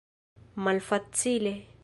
malfacile